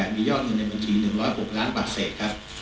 มีย่อหนึ่งในบัญชี๑๖๖ล้านบาทเสียค่ะ